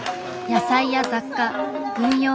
野菜や雑貨軍用品。